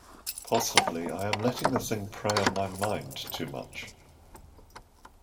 Possibly I am letting the thing prey on my mind too much.